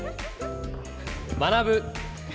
「学ぶ」。